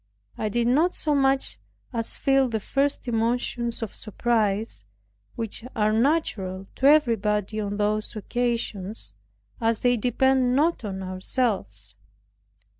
I did not so much as feel the first emotions of surprise, which are natural to everybody on those occasions, as they depend not on ourselves.